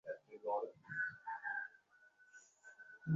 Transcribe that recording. শব্দটা শুনতে মিষ্ট এবং হঠাৎ মনে হয়, ওর একটা কোনো মানে আছে।